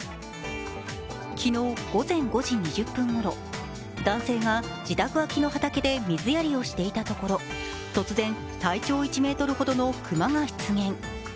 昨日午前５時２０分ごろ、男性が自宅脇の畑で水やりをしていたところ突然体調１ｍほどの熊が出現。